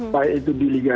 baik itu di liga satu